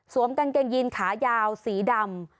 กางเกงยีนขายาวสีดำ